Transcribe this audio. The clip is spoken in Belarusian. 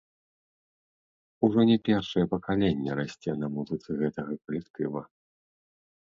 Ужо не першае пакаленне расце на музыцы гэтага калектыва.